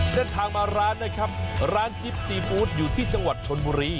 เดินทางมาร้านนะครับร้านจิ๊บซีฟู้ดอยู่ที่จังหวัดชนบุรี